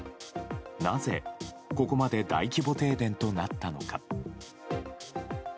なぜ、ここまで大規模停電となったのか。